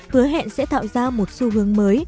phớ hẹn sẽ tạo ra một xu hướng mới